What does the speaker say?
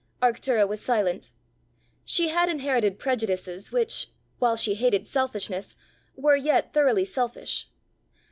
Arctura was silent. She had inherited prejudices which, while she hated selfishness, were yet thoroughly selfish.